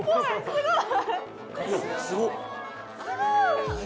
すごい！